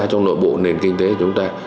trong nội bộ nền kinh tế chúng ta